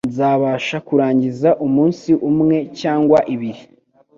Nzabasha kurangiza umunsi umwe cyangwa ibiri.